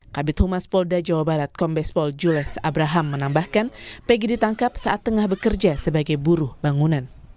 kabit humas polda jawa barat kombes pol jules abraham menambahkan pegi ditangkap saat tengah bekerja sebagai buruh bangunan